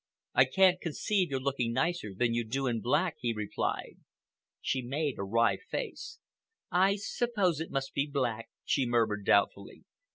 "I can't conceive your looking nicer than you do in black," he replied. She made a wry face. "I suppose it must be black," she murmured doubtfully.